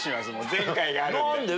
前回があるんで。